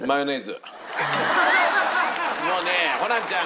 もうねホランちゃん